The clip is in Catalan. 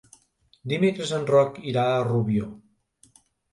Dimecres en Roc irà a Rubió.